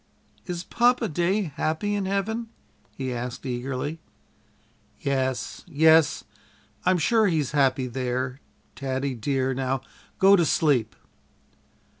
"Is Papa day happy in heaven?" he asked eagerly. "Yes, yes, I'm sure he's happy there, Taddie dear; now go to sleep."